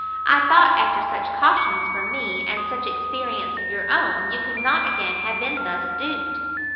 I thought, after such cautions from me, and such experience of your own, you could not again have been thus duped."